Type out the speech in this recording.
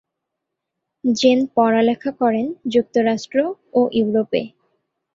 Gen পড়ালেখা করেন যুক্তরাষ্ট্র ও ইউরোপে।